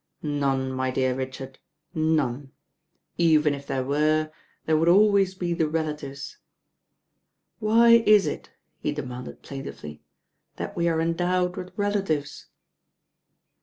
"None, my dear Richard, none. Even if there were, there would always be the relatives. Why is it," he demanded plaintively, "that we are endowed with relatives?"